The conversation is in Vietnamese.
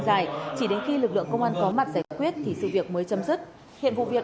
dài chỉ đến khi lực lượng công an có mặt giải quyết thì sự việc mới chấm dứt hiện vụ việc